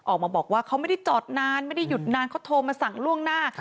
ออกมาบอกว่าเขาไม่ได้จอดนานไม่ได้หยุดนานเขาโทรมาสั่งล่วงหน้า